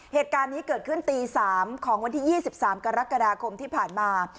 เหตุการณ์นี้เกิดขึ้นตี๓ของวันที่๒๓กรกฎาคมที่ผ่านมา